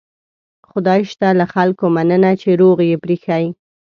خدای شته له خلکو مننه چې روغ یې پرېښي.